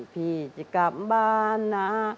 พี่จะกลับบ้านนะ